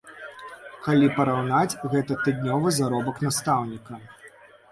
Калі параўнаць, гэта тыднёвы заробак настаўніка.